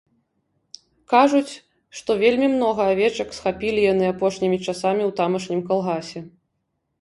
Кажуць, што вельмі многа авечак схапілі яны апошнімі часамі ў тамашнім калгасе.